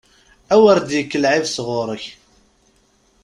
A wer d-yekk lɛib sɣur-k!